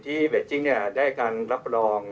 ที่เว็จจิ้งได้การรับประลอง